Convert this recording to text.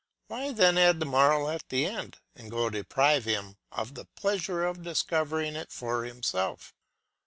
Why then add the moral at the end, and go deprive him of the pleasure of discovering it for himself.